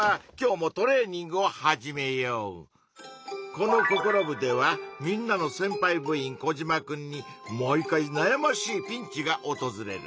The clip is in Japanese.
この「ココロ部！」ではみんなのせんぱい部員コジマくんに毎回なやましいピンチがおとずれる。